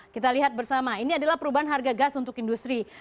kita lihat bersama ini adalah perubahan harga gas untuk industri